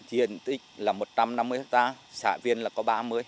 diện tích là một trăm năm mươi hectare xã viên là có ba mươi